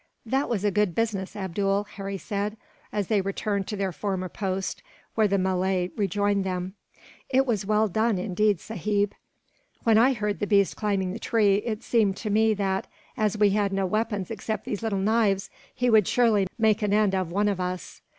"That was a good business, Abdool," Harry said, as they returned to their former post, where the Malay rejoined them. "It was well done, indeed, sahib. When I heard the beast climbing the tree, it seemed to me that, as we had no weapons except these little knives, he would surely make an end of one of us."